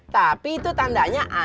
tapi itu tandanya antum hianat